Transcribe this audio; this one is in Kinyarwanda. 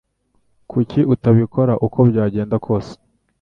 Kuki utabikora uko byagenda kose?